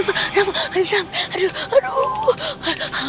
hei rafa rafa aduh aduh